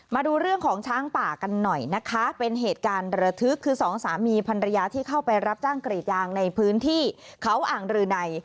มาดูเรื่องของช้างป่ากันหน่อยนะคะเป็นเหตุการณ์ระทึกคือสองสามีพันรยาที่เข้าไปรับจ้างกรีดยางในพื้นที่เขาอ่างรืนัย